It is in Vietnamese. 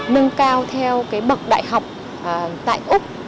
nâng cao theo cái bậc đại học tại úc